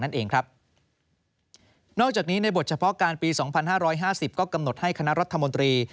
นอกจากนี้ในบทเฉพาะการปี๒๕๕๐ก็กำหนดให้คณะรัฐมนตรี